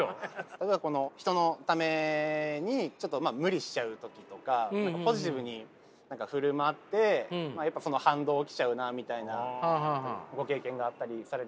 例えば人のためにちょっとまあ無理しちゃう時とかポジティブに何か振る舞ってその反動来ちゃうなみたいなご経験があったりされるんですか？